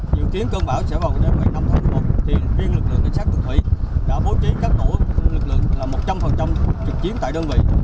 dự kiến cơn bão sẽ vào đêm ngày năm tháng một thì riêng lực lượng định sát tự thủy đã bố trí các tổ lực lượng là một trăm linh trực chiến tại đơn vị